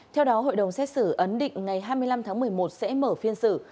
theo đó hội đồng xét xử ấn định ngày hai mươi năm tháng một mươi một sẽ mở phiên xử